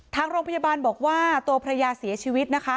ทางโรงพยาบาลบอกว่าตัวภรรยาเสียชีวิตนะคะ